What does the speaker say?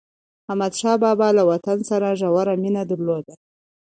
احمدشاه بابا له وطن سره ژوره مینه درلوده.